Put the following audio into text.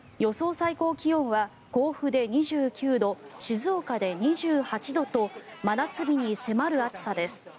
最高気温は甲府で２９度静岡で２８度と真夏日に迫る暑さです。